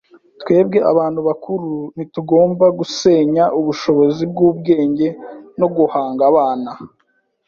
Twebwe abantu bakuru ntitugomba gusenya ubushobozi bwubwenge no guhanga abana.